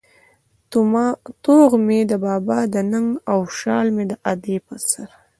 توغ مې د بابا د ننگ او شال مې د ادې په سر